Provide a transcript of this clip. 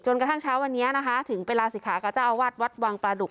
กระทั่งเช้าวันนี้นะคะถึงไปลาศิกขากับเจ้าอาวาสวัดวังปลาดุก